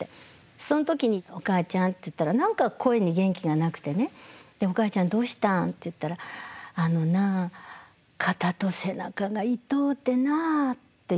その時に「おかあちゃん」って言ったら何か声に元気がなくてね「おかあちゃんどうしたん？」って言ったら「あのな肩と背中が痛うてな」って言うんですよ。